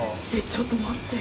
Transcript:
ちょっと待って。